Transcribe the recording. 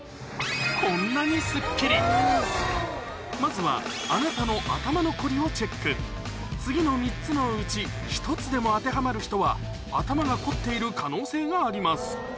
こんなにスッキリまずはあなたの頭のコリをチェック次の３つのうち１つでも当てはまる人は頭が凝っている可能性があります